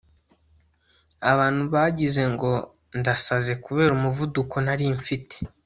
Abantu bagize ngo ndasaze Kubera umuvuduko nari mfite